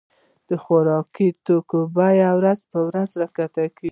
د خوراکي توکو بيي ورځ په ورځ را کښته کيږي.